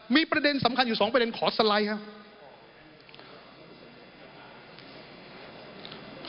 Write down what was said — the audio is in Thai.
มีประเด็นสำคัญอยู่สองประเด็นขอสไลด์ครับ